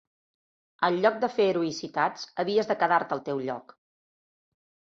En lloc de fer heroïcitats, havies de quedar-te al teu lloc